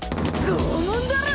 拷問だろ！